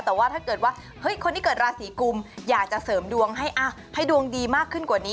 แต่ว่าถ้าเกิดว่าคนที่เกิดราศีกุมอยากจะเสริมดวงให้ดวงดีมากขึ้นกว่านี้